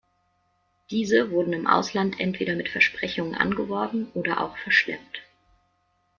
Diese wurden im Ausland entweder mit Versprechungen angeworben oder auch verschleppt.